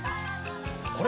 あれ？